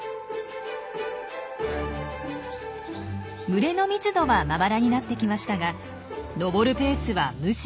群れの密度はまばらになってきましたが登るペースはむしろ上がっています。